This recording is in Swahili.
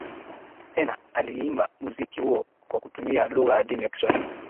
Tena aliimba muziki huo kwa kutumia lugha adhimu ya kiswahili